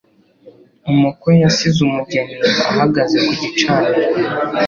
Umukwe yasize umugeni ahagaze ku gicaniro.